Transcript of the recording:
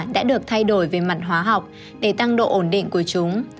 đã được thay đổi về mặt hóa học để tăng độ ổn định của chúng